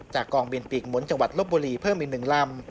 กองบินปีกหมุนจังหวัดลบบุรีเพิ่มอีก๑ลำ